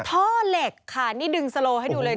ท่อเหล็กค่ะนี่ดึงโซโลให้ดูเลยนะ